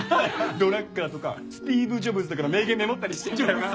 ドラッカーとかスティーブ・ジョブズとかの名言メモったりしてんだよな。